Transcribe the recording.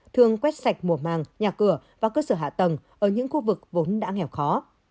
thường quét sạch mùa màng nhà cửa và cơ sở hạ tầng ở những khu vực vốn đã nghèo khó